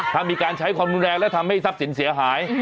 ถ้ามีการใช้ความรุนแรงและทำให้ทรัพย์สินเสียหาย